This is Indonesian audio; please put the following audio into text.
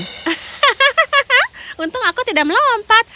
hahaha untung aku tidak melompat